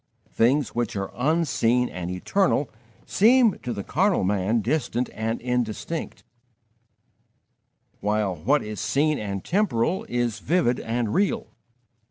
Things which are unseen and eternal seem, to the carnal man, distant and indistinct, while what is seen and temporal is vivid and real.